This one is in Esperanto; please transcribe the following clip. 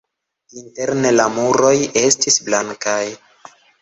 Interne la muroj estis blankaj.